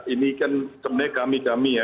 ini kan sebenarnya kami kami ya